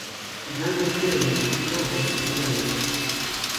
Finalmente, el elegido el segundo de estos.